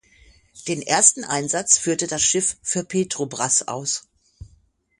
Den ersten Einsatz führte das Schiff für Petrobras aus.